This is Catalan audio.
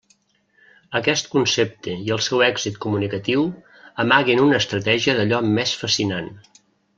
Aquest concepte i el seu èxit comunicatiu amaguen una estratègia d'allò més fascinant.